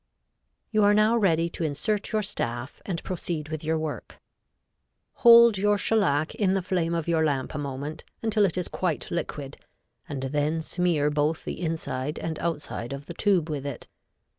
You are now ready to insert your staff and proceed with your work. Hold your shellac in the flame of your lamp a moment until it is quite liquid, and then smear both the inside and outside of the tube with it.